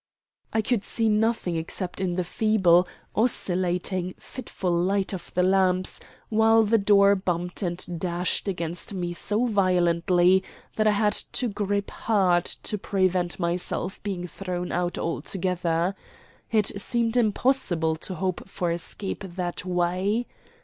I could see nothing except in the feeble, oscillating, fitful light of the lamps, while the door bumped and dashed against me so violently that I had to grip hard to prevent myself being thrown out altogether. It seemed impossible to hope for escape that way.